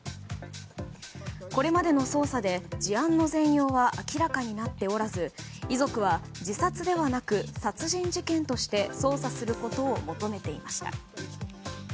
これまでの捜査で、事案の全容は明らかになっておらず遺族は自殺ではなく殺人事件として捜査することを求めていました。